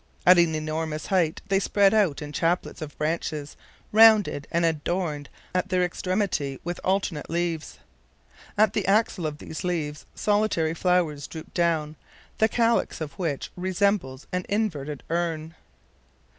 At an enormous height they spread out in chaplets of branches, rounded and adorned at their extremity with alternate leaves. At the axle of these leaves solitary flowers drooped down, the calyx of which resembles an inverted urn.